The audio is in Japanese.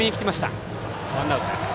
ワンアウトです。